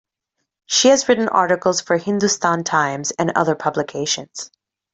She has written articles for "Hindustan Times" and other publications.